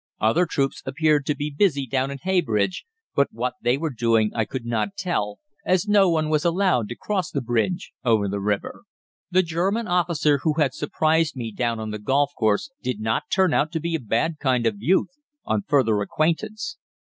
Other troops appeared to be busy down in Heybridge, but what they were doing I could not tell, as no one was allowed to cross the bridge over the river. "The German officer who had surprised me down on the golf course did not turn out to be a bad kind of youth on further acquaintance.